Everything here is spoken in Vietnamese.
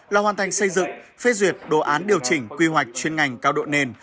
là hoàn thành xây dựng phê duyệt đồ án điều chỉnh quy hoạch chuyên ngành cao độ nền